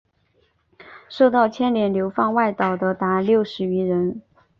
受到牵连流放外岛的达六十余人。